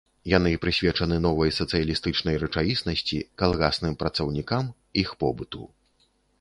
Яны прысвечаны новай сацыялістычнай рэчаіснасці, калгасным працаўнікам, іх побыту.